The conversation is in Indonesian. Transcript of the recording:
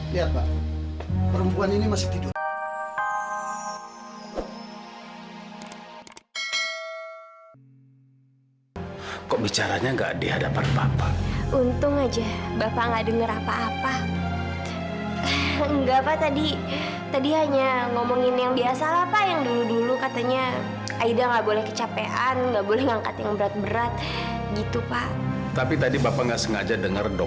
lihat pak perempuan ini masih tidur